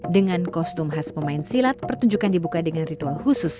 dengan kostum khas pemain silat pertunjukan dibuka dengan ritual khusus